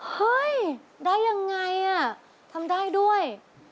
เฮ้ยได้ยังไงทำได้ด้วย